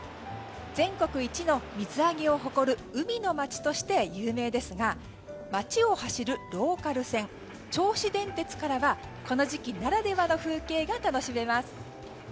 全国一の水揚げを誇る海の街として有名ですが街を走るローカル線銚子電鉄からはこの時期ならではの風景が楽しめます。